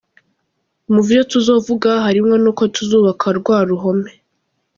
Mu vyo tuzovuga harimwo nuko tuzubaka rwa ruhome!".